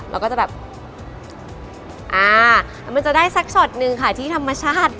เราก็จะแบบอ่ามันจะได้สักช็อตนึงค่ะที่ธรรมชาติ